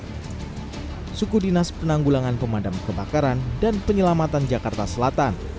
tugasukudinas penanggulangan pemadam kebakaran dan penyelamatan jakarta selatan